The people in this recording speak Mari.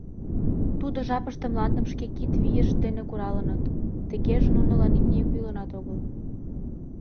Тудо жапыште мландым шке кид вийышт дене куралыныт — тыгеже нунылан имне кӱлынат огыл.